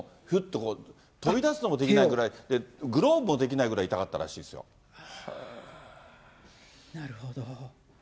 ひゅっと、飛び出すのもできないぐらい、グローブもできないぐらい痛かったなるほど。